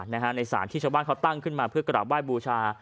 ในสารที่ชาวบ้านเขาตั้งขึ้นมาเพื่อกราบไห้บูชา